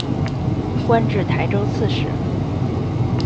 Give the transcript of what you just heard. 官至台州刺史。